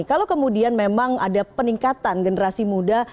kalau kemudian memang ada peningkatan generasi muda